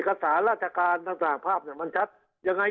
คราวนี้เจ้าหน้าที่ป่าไม้รับรองแนวเนี่ยจะต้องเป็นหนังสือจากอธิบดี